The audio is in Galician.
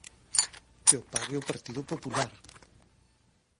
¡Que o pague o Partido Popular!